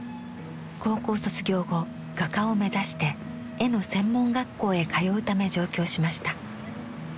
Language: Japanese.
高校卒業後画家を目指して絵の専門学校へ通うため上京しました。